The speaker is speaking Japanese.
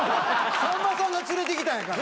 さんまさんが連れてきたんやから。